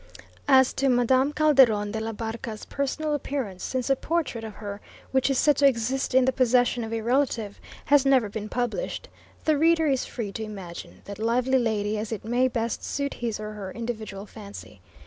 As to Madame Calderon de la Barca's personal appearance, since a portrait of her, which is said to exist in the possession of a relative, has never been published, the reader is free to imagine that lively lady as it may best suit his or her individual fancy.